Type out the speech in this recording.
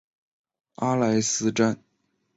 阿莱斯站。